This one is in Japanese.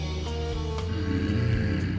うん。